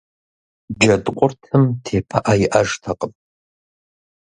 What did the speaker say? Джэдкъуртым тепыӀэ иӀэжтэкъым.